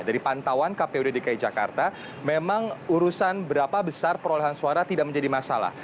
dari pantauan kpud dki jakarta memang urusan berapa besar perolehan suara tidak menjadi masalah